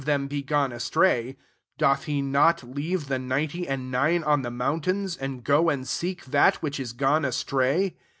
them be gone astray, doth he not leave the ninety and nine on the mountains, and go and seek that which is gone astray